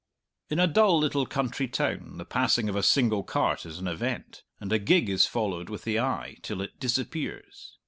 In a dull little country town the passing of a single cart is an event, and a gig is followed with the eye till it disappears.